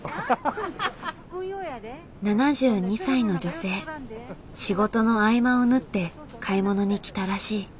７２歳の女性仕事の合間を縫って買い物に来たらしい。